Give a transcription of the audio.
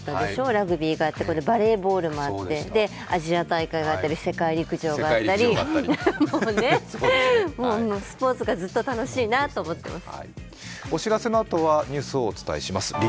ラグビーもあってバレーボールもあってアジア大会があったり世界陸上があったり、もうね、スポーツがずっと楽しいなって思ってます。